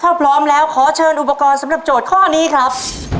ถ้าพร้อมแล้วขอเชิญอุปกรณ์สำหรับโจทย์ข้อนี้ครับ